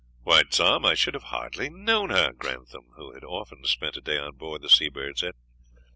"Why, Tom, I should have hardly known her!" Grantham, who had often spent a day on board the Seabird, said.